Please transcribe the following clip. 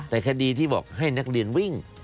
แต่คดีที่บอกให้นักเรียนวิ่ง